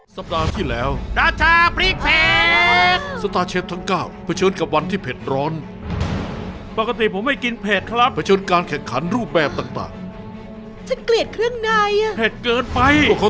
สุดท้ายหวังหลินชนะไป